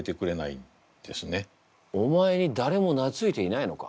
お前にだれもなついていないのか？